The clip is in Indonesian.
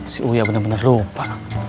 si wia benar benar lupa